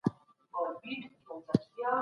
پخواني سفیران د ډیموکراتیکي رایې ورکولو حق نه لري.